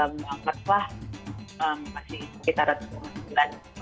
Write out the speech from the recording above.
memang masih sekitar dua bulan